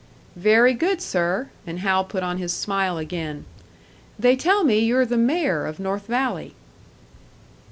"Very good, sir." And Hal put on his smile again. "They tell me you're the mayor of North Valley."